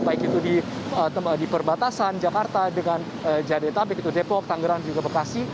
baik itu di perbatasan jakarta dengan jadetabek itu depok tanggerang juga bekasi